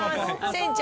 船長？